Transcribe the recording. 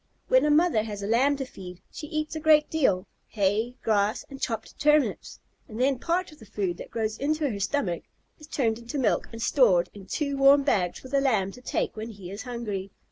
When a mother has a Lamb to feed, she eats a great deal, hay, grass, and chopped turnips, and then part of the food that goes into her stomach is turned into milk and stored in two warm bags for the Lamb to take when he is hungry.